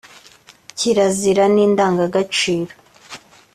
kirazira ni indangagaciro